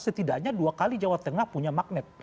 setidaknya dua kali jawa tengah punya magnet